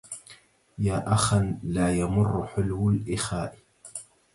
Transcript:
يا أخا لا يمر حلو الإخاء